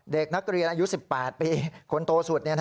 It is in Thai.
เด็กนักเรียนอายุ๑๘ปีคนโตสุด